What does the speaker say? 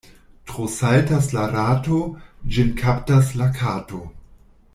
Tro saltas la rato — ĝin kaptas la kato.